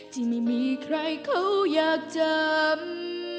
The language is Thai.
ที่ไม่มีใครเขาอยากจำ